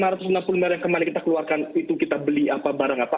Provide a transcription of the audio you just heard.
rp lima ratus lima puluh barang yang kemarin kita keluarkan itu kita beli apa barang apa